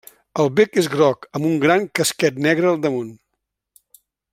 El bec és groc, amb un gran casquet negre al damunt.